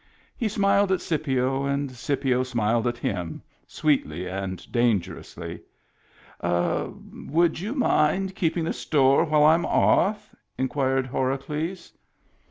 He smiled at Scipio, and Scipio smiled at him, sweetly and dangerously. "Would you mind keeping store while Tm off? " inquired Horacles.